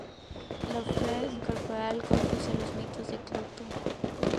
Lovecraft e incorporado al "corpus" de los Mitos de Cthulhu.